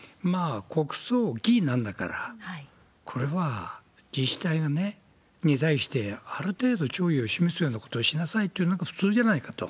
国葬儀なんだから、これは自治体に対して、ある程度弔意を示すようなことをしなさいというのが普通じゃないかと。